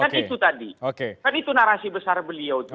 kan itu tadi kan itu narasi besar beliau itu